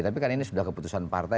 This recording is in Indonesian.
tapi kan ini sudah keputusan partai